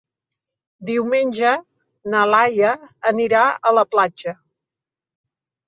Diumenge na Laia anirà a la platja.